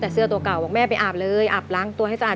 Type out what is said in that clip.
แต่เสื้อตัวเก่าบอกแม่ไปอาบเลยอาบล้างตัวให้สะอาด